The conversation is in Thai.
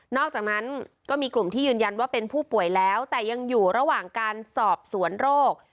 อกจากนั้นก็มีกลุ่มที่ยืนยันว่าเป็นผู้ป่วยแล้วแต่ยังอยู่ระหว่างการสอบสวนโรค